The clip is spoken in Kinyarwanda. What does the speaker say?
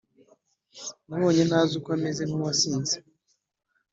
nabonye ntazi uko ameze mkuwasinze